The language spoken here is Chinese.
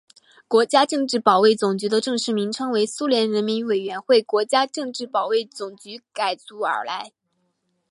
国家政治保卫总局的正式名称为苏联人民委员会国家政治保卫总局改组而来。